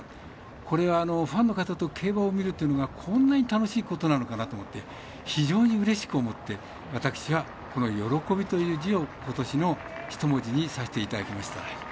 これはファンの方と競馬を見るというのがこんなに楽しいことなのかなと思って非常にうれしく思って私はこの「喜」という字を今年の一文字とさせていただきました。